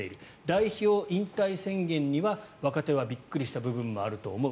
代表引退宣言には、若手はびっくりした部分もあると思う。